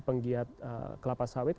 penggiat kelapa sawit